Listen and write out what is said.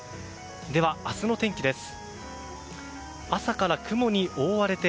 では、明日の天気です。